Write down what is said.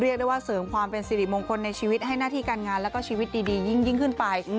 เรียกได้ว่าเสริมความเป็นสิริมงคลในชีวิตให้หน้าที่การงานแล้วก็ชีวิตดียิ่งขึ้นไป